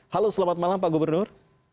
halo selamat malam pak gubernur